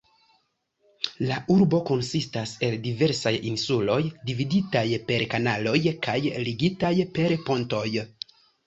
La urbo konsistas el diversaj insuloj, dividitaj per kanaloj kaj ligitaj per pontoj.